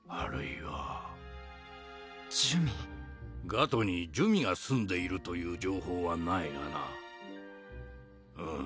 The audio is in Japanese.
ガトに珠魅が住んでいるという情報はないがなうむ